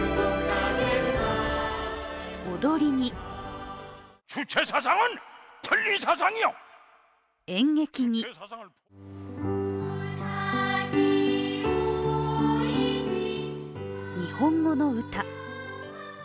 踊りに演劇に日本語の歌。